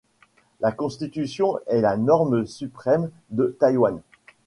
La Constitution est la norme suprême de Taïwan.